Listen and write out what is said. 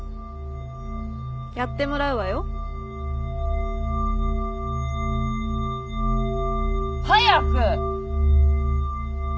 やってもらうわよ。早く！